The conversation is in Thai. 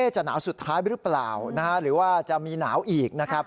จะหนาวสุดท้ายหรือเปล่าหรือว่าจะมีหนาวอีกนะครับ